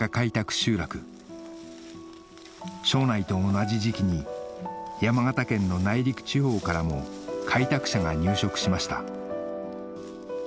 集落庄内と同じ時期に山形県の内陸地方からも開拓者が入植しました